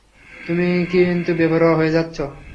তুমি কিন্তু বেপরোয়া হয়ে যাচ্ছ।